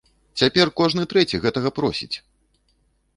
Цяпер кожны трэці гэтага просіць!